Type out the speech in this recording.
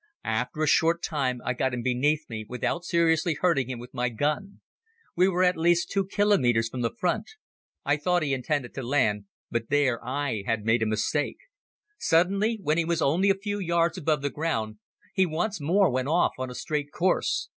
After a short time I got him beneath me without seriously hurting him with my gun. We were at least two kilometers from the front. I thought he intended to land but there I had made a mistake. Suddenly, when he was only a few yards above the ground, he once more went off on a straight course.